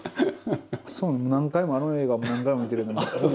何回もあの映画何回も見てるんで。